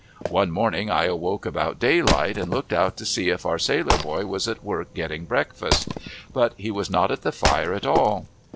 One morning I awoke about daylight, and looked out to see if our sailor boy was at work getting breakfast; but he was not at the fire at all.